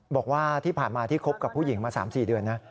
บอกว่าที่ผ่านมาที่คบกับผู้หญิงมา๓๔เดือนนะ